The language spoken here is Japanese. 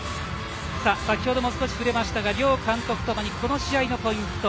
先程も少し触れましたが両監督とともにこの試合のポイント